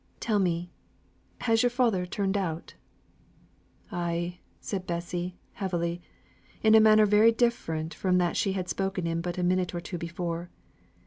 Tell me, has your father turned out?" "Ay!" said Bessy heavily in a manner very different from that she had spoken in but a minute or two before.